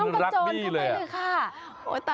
คุณลูกมะพราวเข้าไปเลยค่ะ